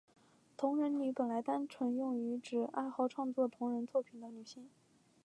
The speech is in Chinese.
同人女本来单纯用来指爱好创作同人作品的女性。